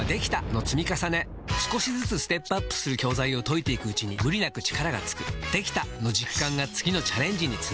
少しずつステップアップする教材を解いていくうちに無理なく力がつく「できた！」の実感が次のチャレンジにつながるよし！